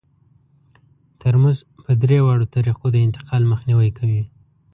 ترموز په درې واړو طریقو د انتقال مخنیوی کوي.